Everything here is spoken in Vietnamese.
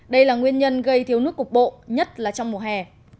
đây là nguyên nhân gây thiếu nước cục bộ nhất là trong mùa hè